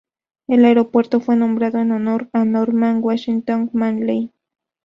El aeropuerto fue nombrado en honor a "Norman Washington Manley".